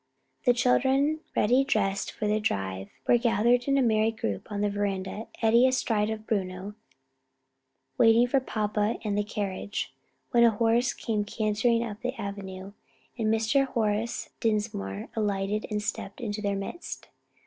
The children, ready dressed for their drive, were gathered in a merry group on the veranda, Eddie astride of Bruno, waiting for papa and the carriage, when a horse came cantering up the avenue, and Mr. Horace Dinsmore alighted and stepped into their midst.